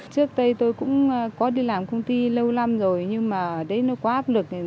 trước đây tôi cũng có đi làm công ty lâu lắm rồi nhưng mà đấy nó quá ác lực